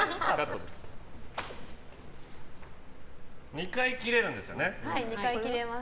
２回、切れるんですよね。